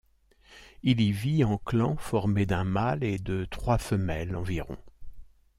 Il y vit en clans formés d'un mâle et de trois femelles environ.